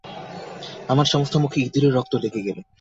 আমার সমস্ত মুখে ইঁদুরের রক্ত লেগে গেল।